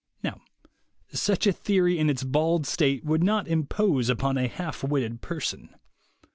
Now such a theory in its bald state would not impose upon a half witted person.